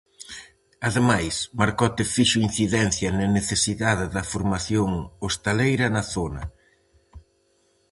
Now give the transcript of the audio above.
Ademais, Marcote fixo incidencia na necesidade da formación hostaleira na zona.